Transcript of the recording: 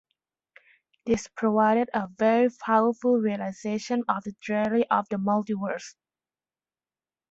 This provided a very powerful realization of the theory of the multiverse.